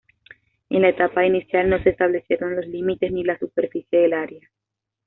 En la etapa inicial, no se establecieron los límites ni la superficie del área.